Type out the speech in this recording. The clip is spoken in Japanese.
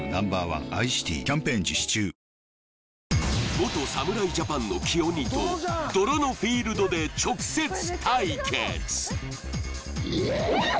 元侍ジャパンの黄鬼と泥のフィールドで直接対決いやっ！